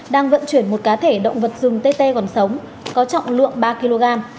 đang vận chuyển một cá thể động vật rừng tê tê còn sống có trọng lượng ba kg